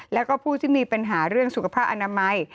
แล้วก็ผู้ที่มีปัญหาเรื่องสุขภาพอนามัย